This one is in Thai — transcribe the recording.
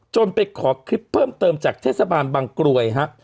ไปขอคลิปเพิ่มเติมจากเทศบาลบางกรวยฮะ